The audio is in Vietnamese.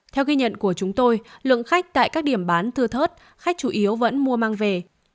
theo ghi nhận của chúng tôi lượng khách tại các điểm bán thưa thớt khách chủ yếu vẫn mua mang về